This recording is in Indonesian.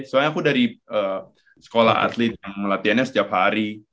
soalnya aku dari sekolah atlet yang latihannya setiap hari